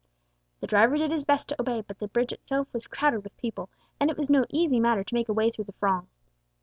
The driver did his best to obey, but the bridge itself was crowded with people, and it was no easy matter to make a way through the throng.